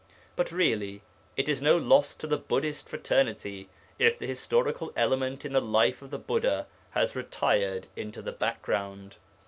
But really it is no loss to the Buddhist Fraternity if the historical element in the life of the Buddha has retired into the background.